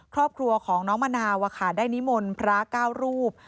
ครอบครัวของน้องมะนาวได้นิมนต์พระเก้ารูป